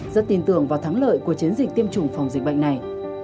rất tin tưởng vào thắng lợi của chiến dịch tiêm chủng phòng dịch bệnh này